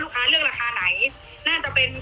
ลูกค้าเลือกราคาไหนน่าจะเป็น